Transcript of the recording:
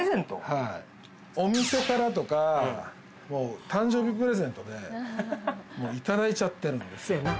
はいお店からとか誕生日プレゼントでいただいちゃってるんですよ